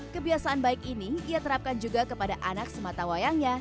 kebiasaan baik ini ia terapkan juga kepada anak sematawayangnya